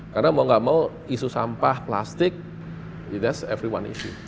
karena mau gak mau isu sampah plastik that's everyone's issue